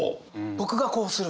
僕がこうする！